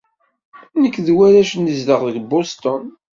Nekk d warrac nezdeɣ deg Bustun.